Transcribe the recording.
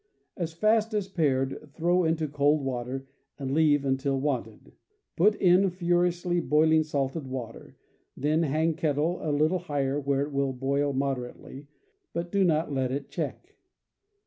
As fast as pared, throw into cold water, and leave until wanted. Put in furiously boiling salted water, then hang kettle a little higher where it will boil moderately, but do not let it check.